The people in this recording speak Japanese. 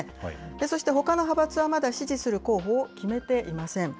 そしてほかの派閥はまだ支持する候補を決めていません。